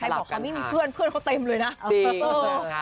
บอกกันไม่มีเพื่อนเพื่อนเขาเต็มเลยนะ